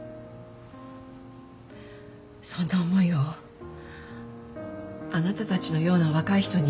そんな思いをあなたたちのような若い人に。